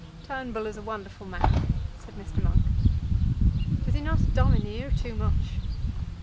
"Turnbull is a wonderful man," said Mr. Monk. "Does he not domineer too much?"